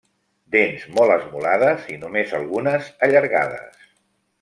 Dents molt esmolades i, només algunes, allargades.